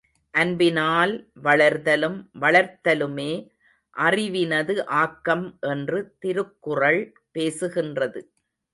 அன்பினால் வளர்தலும் வளர்த்தலுமே அறிவினது ஆக்கம் என்று திருக்குறள் பேசுகின்றது.